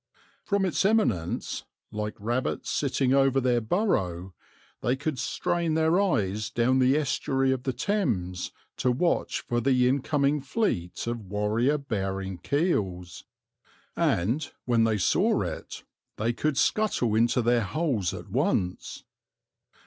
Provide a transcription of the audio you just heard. From its eminence, like rabbits sitting over their burrow, they could strain their eyes down the estuary of the Thames to watch for the incoming fleet of warrior bearing keels; and, when they saw it, they could scuttle into their holes at once.